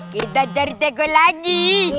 kita cari tegok lagi